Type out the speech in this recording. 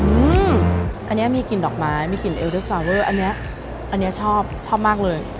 อืมอ่อออนเนี้ยมีกลิ่นดอกไม้มีกลิ่นเออนเดอร์อันเนี้ยอันนี้ชอบชอบมากเลย